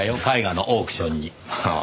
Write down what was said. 絵画のオークションに。